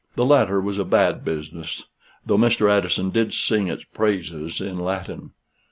The latter was a bad business, though Mr. Addison did sing its praises in Latin.